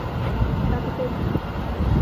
তাতে তোর কী?